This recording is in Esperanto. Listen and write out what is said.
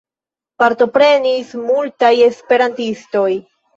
Partoprenis multaj esperantistoj.